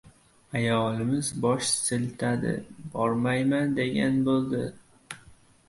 Ayolimiz bosh siltadi — bormayman, degan bo‘ldi.